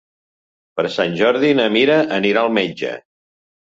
Per Sant Jordi na Mira anirà al metge.